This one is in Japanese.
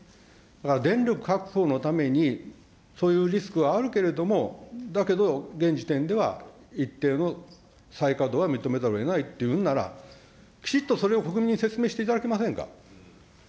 だから、電力確保のために、そういうリスクはあるけれども、だけど、現時点では一定の再稼働は認めざるをえないというのなら、きちっとそれを国民に説明していただけませんか。